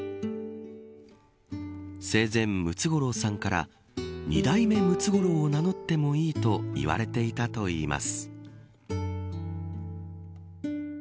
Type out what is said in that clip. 生前、ムツゴロウさんから２代目ムツゴロウを名乗ってもいいと言われていたといいます。